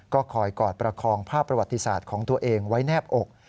ก็คอยกอดประคองภาพประวัติศาสตร์ของตัวเองไว้แนบอก